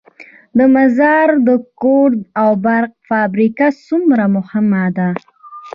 د مزار د کود او برق فابریکه څومره مهمه ده؟